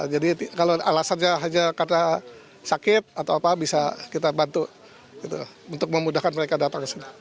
jadi kalau alasannya hanya karena sakit atau apa bisa kita bantu gitu untuk memudahkan mereka datang ke sana